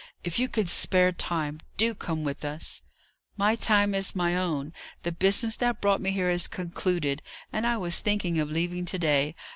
"If you can spare time, do come with us!" "My time is my own; the business that brought me here is concluded, and I was thinking of leaving to day.